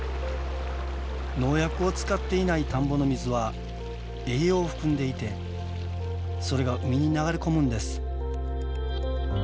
農薬を使っていない田んぼの水は栄養を含んでいてそれが海に流れ込むんです。